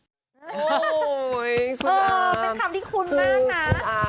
เป็นคำที่คุ้นมากนะ